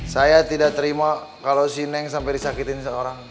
saya tidak terima kalau si neng sampai disakitin seorang